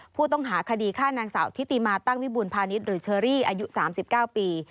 ผู้ต้องหาคดีฆ่านางสาวทิติมาตั้งวิบูรพาณิชย์หรือเชอรี่อายุ๓๙ปี